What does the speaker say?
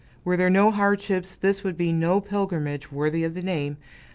Were there no hardships, this would be no pilgrimage worthy of the name.